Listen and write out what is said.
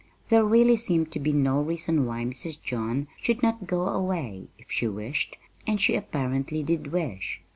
There really seemed to be no reason why Mrs. John should not go away, if she wished and she apparently did wish.